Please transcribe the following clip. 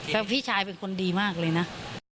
แล้วพี่ชายเป็นคนดีมากเลยนะ